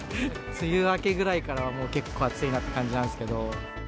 梅雨明けぐらいからは、結構暑いなって感じなんですけど。